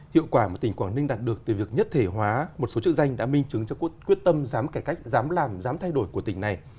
hiệu quả mà tỉnh quảng ninh đạt được từ việc nhất thể hóa một số chữ danh đã minh chứng cho quyết tâm dám cải cách dám làm dám thay đổi của tỉnh này